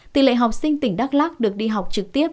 tỷ lệ học sinh tỉnh đắk lắc được đi học trực tiếp